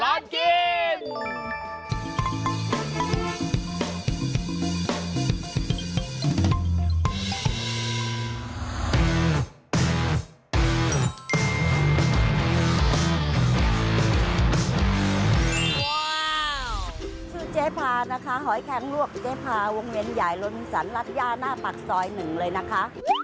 ว้าวชื่อเจภานะคะหอยแครงลวกเจภาวงเวียนใหญ่ลนศรรรษย่าหน้าปากซอยหนึ่งเลยนะคะ